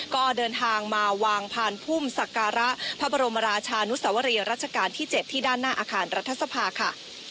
ก็เดินทางมาวางพานพุ่มศักระพระบรมราชานุสวรีรัชกาลที่๗ที่ด้านหน้าอาคารรัฐสภาค่ะ